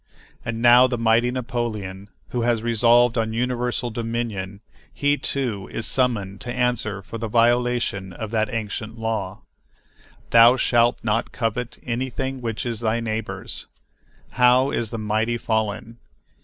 And now the mighty Napoleon, who has resolved on universal dominion, he, too, is summoned to answer for the violation of that ancient law, "Thou shalt not covet anything which is thy neighbor's." How is the mighty fallen!